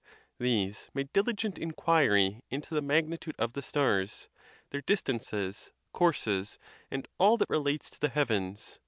These made diligent inquiry into the magnitude of the stars, their distances, courses, and all that relates to the heavens.